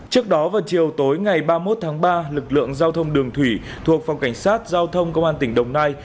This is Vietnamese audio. trước đó vào chiều tối ngày ba mươi một tháng ba lực lượng giao thông đường thủy thuộc phòng cảnh sát giao thông công an tỉnh đồng nai